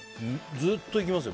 ずっと生きますよ。